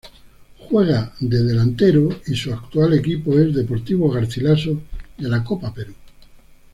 Juega de delantero y su actual equipo es Deportivo Garcilaso de la Copa Perú.